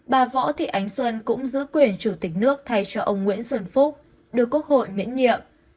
bà võ thị ánh xuân cũng giữ quyền chủ tịch nước thay cho ông nguyễn xuân phúc được quốc hội miễn nhiệm